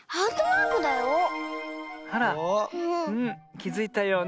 きづいたようね。